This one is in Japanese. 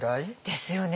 ですよね。